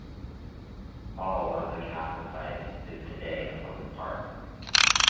All of the castle site is today a public park.